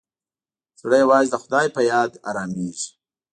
زړه یوازې د خدای په یاد ارامېږي.